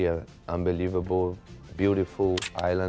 ผมชอบกินฟุตเตนเซอสมีเพื่อนฝากไปก่อน